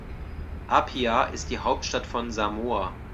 Apia ist die Hauptstadt von Samoa.